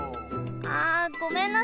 あごめんなさい！